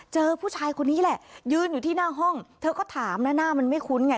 เจอผู้ชายคนนี้แหละยืนอยู่ที่หน้าห้องเธอก็ถามแล้วหน้ามันไม่คุ้นไง